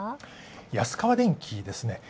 安川電機ですね。